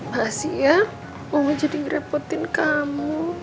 ma'asih ya mbak ma jadi ngerepotin kamu